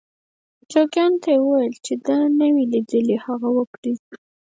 جوګیانو ته یې وویل چې ده نه وي لیدلي هغه وکړي.